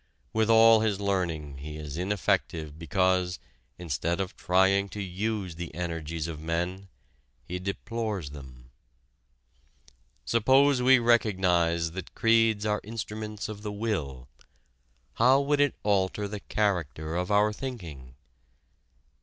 With all his learning he is ineffective because, instead of trying to use the energies of men, he deplores them. Suppose we recognize that creeds are instruments of the will, how would it alter the character of our thinking?